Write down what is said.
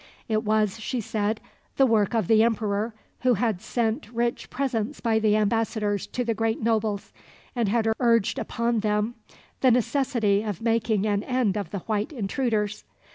It was, she said, the work of the emperor, who had sent rich presents by the ambassadors to the great nobles, and had urged upon them the necessity of making an end of the white intruders.